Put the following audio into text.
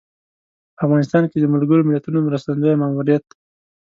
په افغانستان کې د ملګر ملتونو مرستندویه ماموریت